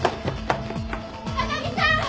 高木さん